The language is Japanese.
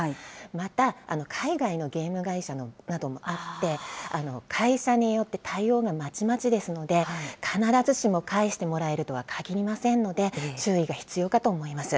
また、海外のゲーム会社などもあって、会社によって対応がまちまちですので、必ずしも返してもらえるとはかぎりませんので注意が必要かと思います。